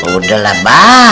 udah lah mbah